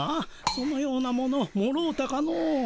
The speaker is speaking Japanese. そのようなものもろうたかの？